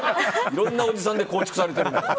いろんなおじさんで構築されてるな。